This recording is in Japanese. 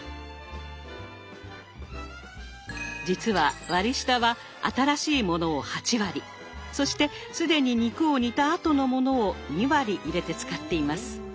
実は割り下は新しいものを８割そして既に肉を煮たあとのものを２割入れて使っています。